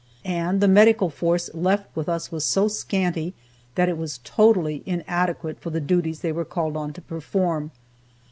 And the medical force left with us was so scanty that it was totally inadequate for the duties they were called on to perform.